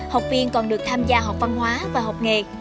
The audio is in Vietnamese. học viên còn được tham gia học văn hóa và học nghề